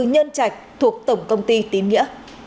nhân trạch thuộc tổng công ty tín nghĩa